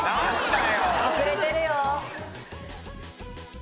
隠れてるよ！